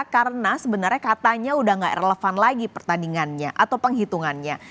karena sebenarnya katanya udah gak relevan lagi pertandingannya atau penghitungannya